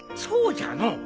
そうじゃの！